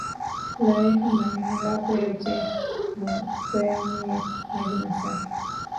Loweka maharage yote kwemye maji masafi